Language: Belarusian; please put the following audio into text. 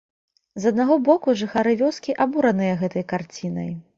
З аднаго боку жыхары вёскі абураныя гэтай карцінай.